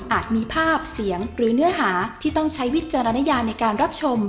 มีภาพเสียงหรือเนื้อหาที่ต้องใช้วิจารณญาในการรับชม